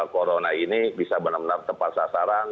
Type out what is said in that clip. corona ini bisa benar benar tepat sasaran